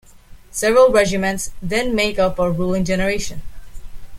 Several regiments then make up a ruling generation.